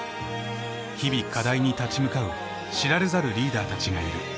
日々課題に立ち向かう知られざるリーダーたちがいる。